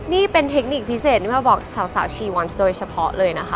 นี่เป็นเทคนิคพิเศษที่มาบอกสาวชีวอนโดยเฉพาะเลยนะคะ